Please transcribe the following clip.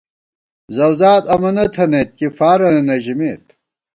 زَؤذات امَنہ تھنَئیت کی فارَنہ نہ ژِمېت